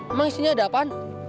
emang isinya ada apaan